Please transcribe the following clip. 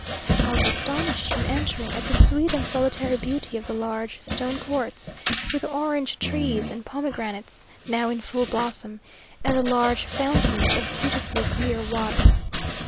I was astonished, on entering, at the sweet and solitary beauty of the large stone courts, with orange trees and pomegranates now in full blossom, and the large fountains of beautifully clear water.